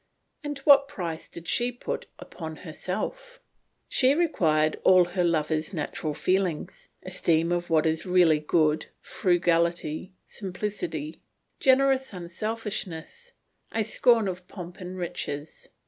And what price did she put upon herself? She required all her lover's natural feelings esteem of what is really good, frugality, simplicity, generous unselfishness, a scorn of pomp and riches.